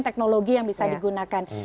teknologi yang bisa digunakan